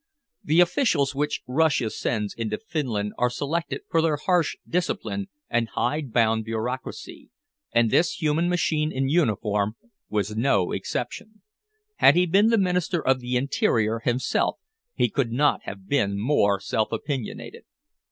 The officials which Russia sends into Finland are selected for their harsh discipline and hide bound bureaucracy, and this human machine in uniform was no exception. Had he been the Minister of the Interior himself, he could not have been more self opinionated.